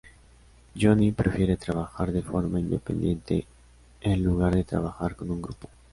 Johnny prefiere trabajar de forma independiente en lugar de trabajar con un grupo.